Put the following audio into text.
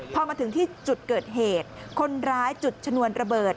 พอมาถึงที่จุดเกิดเหตุคนร้ายจุดชนวนระเบิด